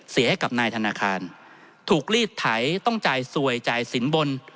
ให้กับนายธนาคารถูกรีดไถต้องจ่ายสวยจ่ายสินบน